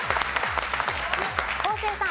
昴生さん。